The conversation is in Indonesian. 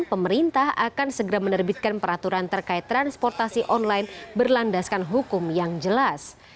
pemerintah akan segera menerbitkan peraturan terkait transportasi online berlandaskan hukum yang jelas